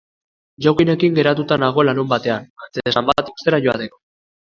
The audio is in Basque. Jokinekin geratuta nago larunbatean antzezlan bat ikustera joateko.